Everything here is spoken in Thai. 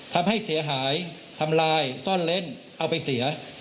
ทำให้เสียหายทำลายซ่อนเล่นเอาไปเสีย